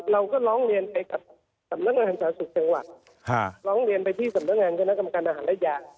เราก็ร้องเรียนไปกับสำนักงานสาธารณสุขจังหวัดร้องเรียนไปที่สำนักงานคณะกรรมการอาหารและยา